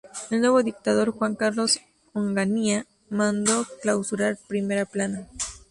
El nuevo dictador Juan Carlos Onganía mandó clausurar "Primera Plana".